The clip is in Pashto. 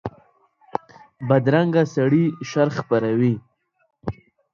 بدرنګه سړي شر خپروي